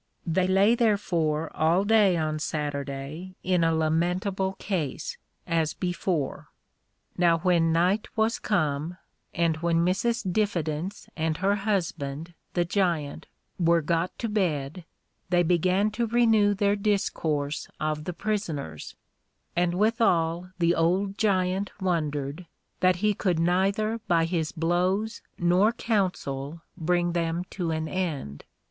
They lay therefore all day on Saturday in a lamentable case, as before. Now when night was come, and when Mrs. Diffidence and her Husband the Giant were got to bed, they began to renew their discourse of their Prisoners; and withal the old Giant wondered, that he could neither by his blows nor counsel bring them to an end.